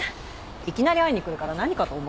いきなり会いに来るから何かと思ったら。